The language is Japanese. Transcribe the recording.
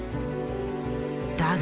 だが。